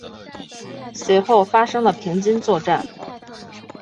随后发生了平津作战。